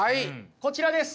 こちらです！